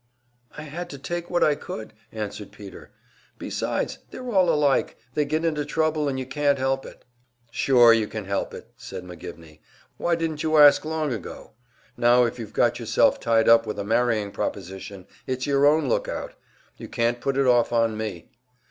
"I had to take what I could," answered Peter. "Besides, they're all alike they get into trouble, and you can't help it." "Sure, you can help it!" said McGivney. "Why didn't you ask long ago? Now if you've got yourself tied up with a marrying proposition, it's your own lookout; you can't put it off on me."